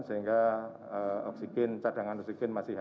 sehingga oksigen cadangan oksigen masih ada